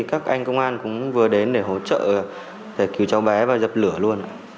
các anh công an cũng vừa đến để hỗ trợ giải cứu cháu bé và dập lửa luôn ạ